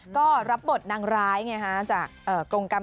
ก็รับบทนางร้ายไงฮะจากกรงกรรม